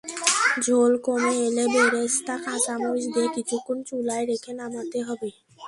ঝোল কমে এলে বেরেস্তা, কাঁচামরিচ দিয়ে কিছুক্ষণ চুলায় রেখে নামাতে হবে।